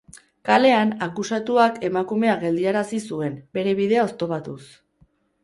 Kalean, akusatuak emakumea geldiarazi zuen, bere bidea oztopatuz.